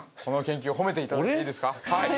この研究を褒めていただいていいですか？